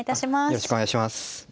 よろしくお願いします。